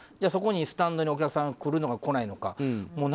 そこにスタンドにお客さん来るのか来ないのか。